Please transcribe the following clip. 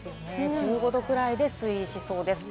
１５度ぐらいで推移しそうです。